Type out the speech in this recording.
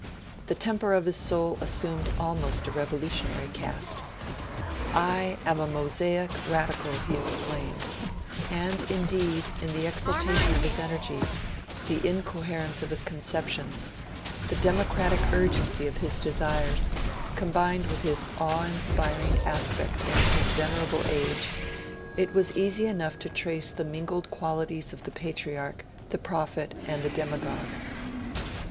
The temper of his soul assumed almost a revolutionary cast. 'I am a Mosaic Radical,' he exclaimed; and, indeed, in the exaltation of his energies, the incoherence of his conceptions, the democratic urgency of his desires, combined with his awe inspiring aspect and his venerable age, it was easy enough to trace the mingled qualities of the patriarch, the prophet, and the demagogue.